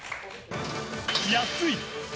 安い！